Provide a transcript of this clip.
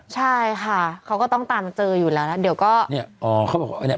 ใช่ค่ะเขาก็ต้องตามเจออยู่แล้วแล้วเดี๋ยวก็เนี่ยอ๋อเขาบอกว่าเนี้ย